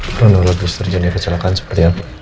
plus satu orang supir truk